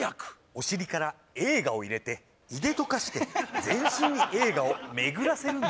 お尻から映画を入れて胃で溶かして全身に映画をめぐらせるんだ